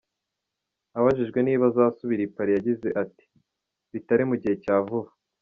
Abajijwe niba azasubira i Paris, yagize ati "Bitari mu gihe cya vuba.